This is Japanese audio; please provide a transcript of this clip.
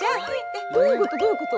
えどういうことどういうこと？